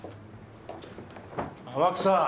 ・天草。